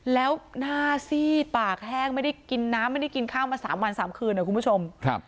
แล้วหน้าซีดปากแห้งไม่ได้กินน้ำไม่ได้กินข้าวมา๓วัน๓คืนนะคุณผู้ชม